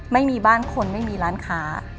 ไม่มีบ้านคนไม่มีร้านค้า